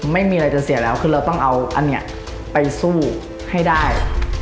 ไม่มีอะไรจะเสียแล้วคือเราต้องเอาอันนี้ไปสู้ให้ได้